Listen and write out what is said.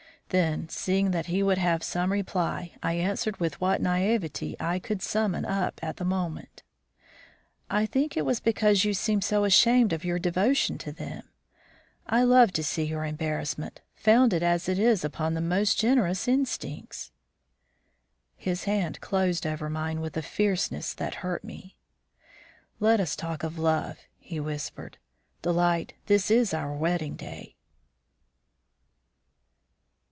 Then, seeing that he would have some reply, I answered with what naiveté I could summon up at the moment: "I think it was because you seem so ashamed of your devotion to them. I love to see your embarrassment, founded as it is upon the most generous instincts." His hand closed over mine with a fierceness that hurt me. "Let us talk of love," he whispered. "Delight, this is our wedding day."